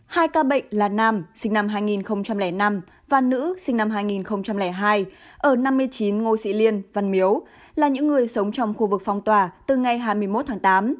hai ca bệnh là nam sinh năm hai nghìn năm và nữ sinh năm hai nghìn hai ở năm mươi chín ngô sĩ liên văn miếu là những người sống trong khu vực phong tỏa từ ngày hai mươi một tháng tám